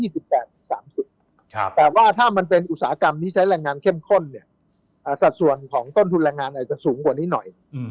แต่ว่าถ้ามันเป็นอุตสาหกรรมที่ใช้แรงงานเข้มข้นสัดส่วนของต้นทุนแรงงานอาจจะสูงกว่านี้หน่อย